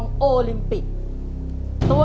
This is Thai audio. ขอบคุณครับ